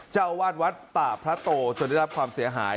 เจ้าวาดวัดป่าพระโตจนได้รับความเสียหาย